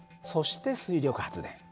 そして水力発電。